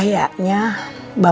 kayaknya bapak juga salah